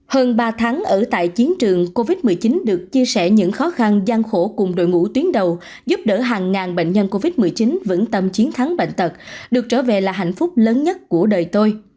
hơn ba tháng ở tại chiến trường covid một mươi chín được chia sẻ những khó khăn gian khổ cùng đội ngũ tuyến đầu giúp đỡ hàng ngàn bệnh nhân covid một mươi chín vững tâm chiến thắng bệnh tật được trở về là hạnh phúc lớn nhất của đời tôi